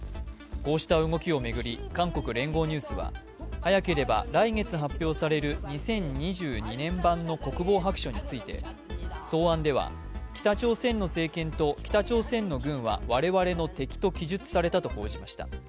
こうした動きを巡り、韓国・聯合ニュースは早ければ来月発表される２０２２年版の国防白書について、草案では北朝鮮の政権と北朝鮮の軍は我々の敵と記述されたと報じました。